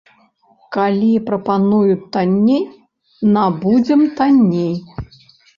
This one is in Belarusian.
Калі прапануюць танней, набудзем танней.